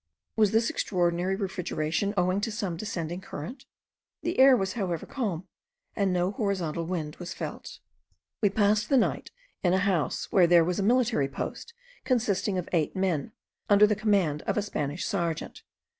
Was this extraordinary refrigeration owing to some descending current? The air was however calm, and no horizontal wind was felt. We passed the night in a house where there was a military post consisting of eight men, under the command of a Spanish serjeant.